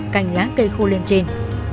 cành lá cây khô lên trên